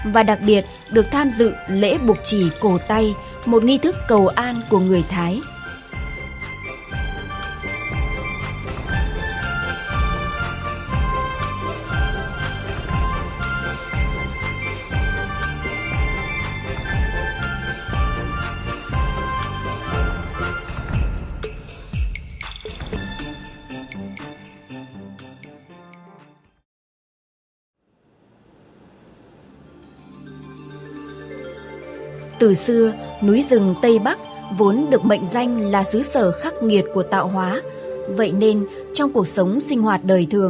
và đặc biệt được tham dự lễ buộc chỉ cổ tay một nghi thức cầu an của người thái